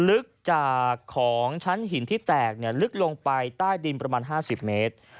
ลึกจากของชั้นหินที่แตกลึกลงไปใต้ดินประมาณ๕๐เมตร